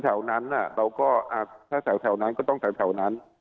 ถ้าแถวแถวนั้นก็ต้องแถวแถวนั้น